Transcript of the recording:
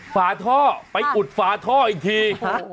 ฝาท่อไปอุดฝาท่ออีกที